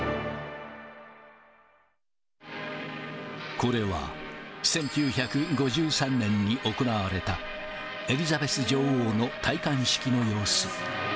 これは１９５３年に行われた、エリザベス女王の戴冠式の様子。